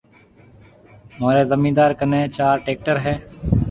مهوريَ زميندار ڪني چار ٽيڪٽر هيَ۔